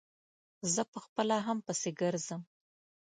زه په خپله هم پسې ګرځم.